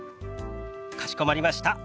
かしこまりました。